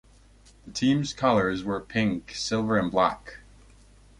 The team's colours were pink, silver and black.